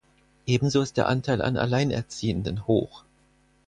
Ebenso ist der Anteil an Alleinerziehenden hoch.